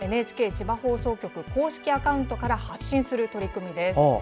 ＮＨＫ千葉放送局公式アカウントから発信する取り組みです。